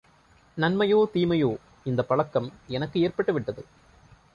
நன்மையோ, தீமையோ இந்தப் பழக்கம் எனக்கு ஏற்பட்டு விட்டது.